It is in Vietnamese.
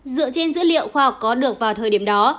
dựa trên dữ liệu khoa học có được vào thời điểm đó